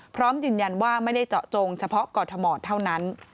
พร้อมยืนยันว่าไม่ได้เจาะจงเฉพาะกรทมเท่านั้น